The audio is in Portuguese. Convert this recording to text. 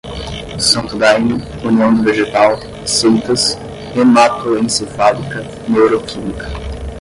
santo daime, união do vegetal, seitas, hematoencefálica, neuroquímica